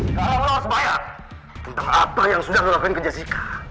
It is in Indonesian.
sekarang lo harus bayar tentang apa yang sudah lo lakukan ke jessica